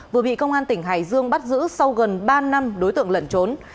vừa bị công an tỉnh hải dương bắt giữ sau gần ba năm đối tượng lẩn trốn